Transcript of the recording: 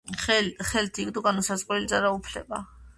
ხელთ იგდო განუსაზღვრელი ძალაუფლება.